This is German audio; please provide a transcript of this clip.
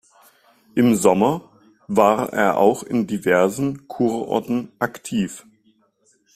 Im Sommer war er auch in diversen Kurorten aktiv.